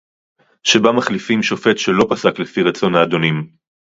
שבה מחליפים שופט שלא פסק לפי רצון האדונים